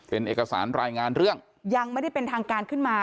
เป็นเอกสารรายงานเรื่องยังไม่ได้เป็นทางการขึ้นมา